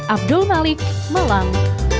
abdul malik malang